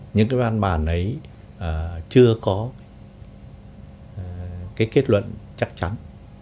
những cái văn bản ấy chưa có cái kết luận chắc chắn